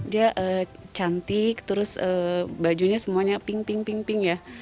dia cantik terus bajunya semuanya pink pink pin pink ya